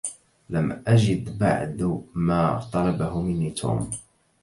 لم أجد بعد ما طلبه مني توم.